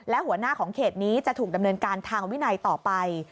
และหัวหน้าของเขตนี้จะถูกดำเนินการทางวินัยต่อไป